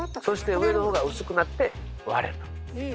そして上の方が薄くなって割れる。